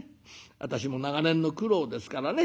私も長年の苦労ですからね。